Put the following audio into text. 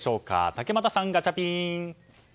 竹俣さん、ガチャピン！